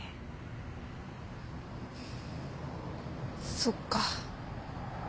そっか。